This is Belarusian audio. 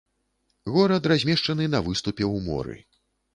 Горад размешчаны на выступе ў моры.